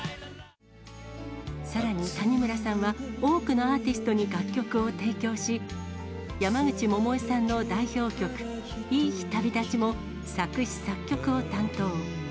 さらに谷村さんは、多くのアーティストに楽曲を提供し、山口百恵さんの代表曲、いい日旅立ちも、作詞作曲を担当。